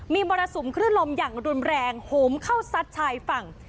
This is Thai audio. มีมรสุมคลื่นลมอย่างรุนแรงโหมเข้าซัดชายฝั่ง